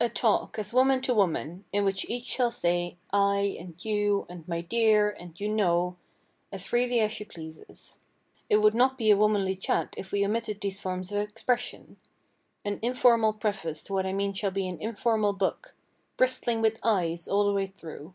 A TALK as woman to woman, in which each shall say, "I" and "you," and "my dear," and "you know," as freely as she pleases. It would not be a womanly chat if we omitted these forms of expression. An informal preface to what I mean shall be an informal book—bristling with "I's" all the way through.